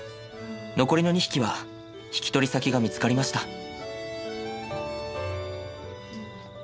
残りの２匹は引き取り先が見つかりました。